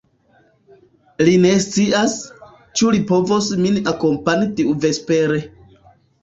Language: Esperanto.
Li ne scias, ĉu li povos min akompani tiuvespere.